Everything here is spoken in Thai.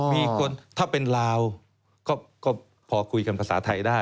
มีคนถ้าเป็นลาวก็พอคุยกันภาษาไทยได้